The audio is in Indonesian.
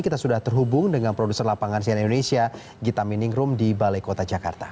kita sudah terhubung dengan produser lapangan sian indonesia gita miningrum di balai kota jakarta